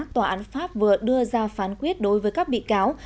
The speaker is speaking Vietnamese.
tòa án pháp vừa đưa ra phán quyết đối với các bị cáo